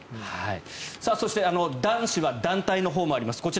そして、男子は団体のほうもあります。